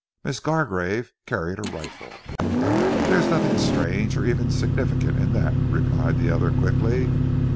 Miss Gargrave carried a rifle." "There is nothing strange or even significant in that," replied the other quickly.